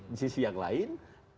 di sisi yang lain